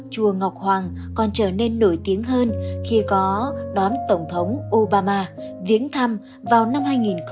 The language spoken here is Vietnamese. chùa ngọc hoàng còn trở nên nổi tiếng hơn khi có đón tổng thống obama viếng thăm vào năm hai nghìn một mươi